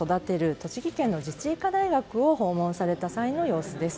栃木県の自治医科大学を訪問された際の様子です。